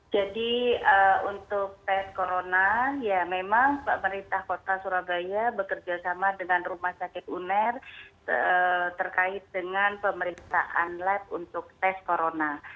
jadi untuk tes corona ya memang pemerintah kota surabaya bekerjasama dengan rumah sakit uner terkait dengan pemerintahan lab untuk tes corona